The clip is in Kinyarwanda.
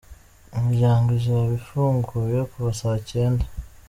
Imiryango izaba ifunguye kuva saa cyenda.